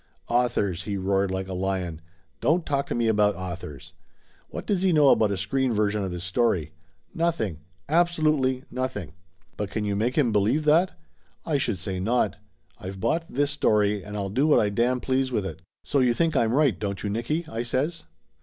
"Authors!" he roared like a lion. "Don't talk to me about authors! What does he know about a screen version of his story? Nothing, absolutely nothing! Laughter Limited 213 But can you make him believe that ? I should say not ! I've bought this story, and I'll do what I damn please with it!" "So you think I'm right, don't you, Nicky?" I says.